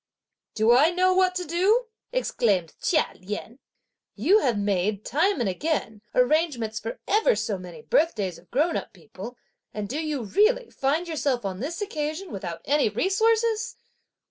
"Do I know what to do?" exclaimed Chia Lien; "you have made, time and again, arrangements for ever so many birthdays of grown up people, and do you, really, find yourself on this occasion without any resources?"